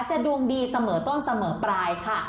ดวงดีเสมอต้นเสมอปลายค่ะ